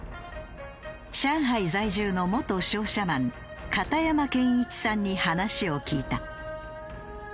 上海在住の元商社マン片山健一さんに話を聞いた。